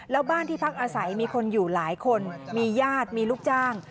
แล้วบ้านที่พักอาศัยมีคนอยู่หลายคนมีญาติมีลูกจ้าง